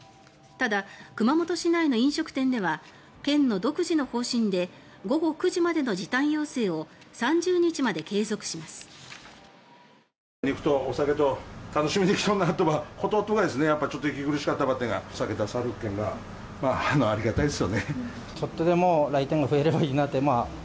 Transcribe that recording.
ただ、熊本市内の飲食店では県の独自の方針で午後９時までの時短要請を３０日まで継続します。